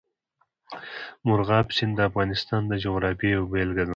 مورغاب سیند د افغانستان د جغرافیې یوه بېلګه ده.